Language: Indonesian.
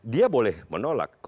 dia boleh menolak